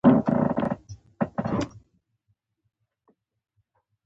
نظارت په یو ټاکلي وخت کې اجرا کیږي.